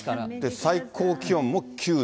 最高気温も９度。